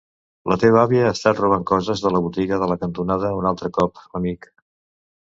La teva àvia ha estat robant coses de la botiga de la cantonada un altre cop, amic.